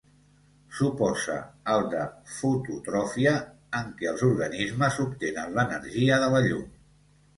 S'oposa al de fototròfia en què els organismes obtenen l'energia de la llum.